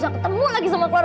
saya masih masih